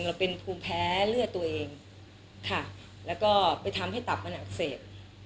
เราเป็นภูมิแพ้เลือดตัวเองค่ะแล้วก็ไปทำให้ตับมันอักเสบ